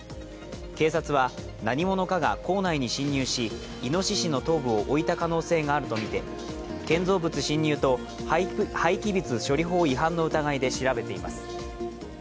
警察は何者かが、校内に侵入しいのししの頭部を置いた可能性があるとみて建造物侵入と廃棄物処理法違反の疑いで調べています。